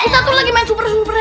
kita tuh lagi main super hero